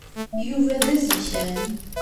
Yuba d azikan.